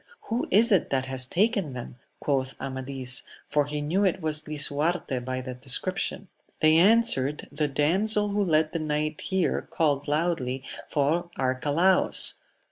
Who is it that has taken them ? quoth Amadis ; for he knew it was Lisuarte by the description. They answered. The damsel who led the knight here called loudly for Arcalaus.